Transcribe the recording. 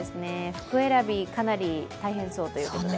服選び、かなり大変そうということで。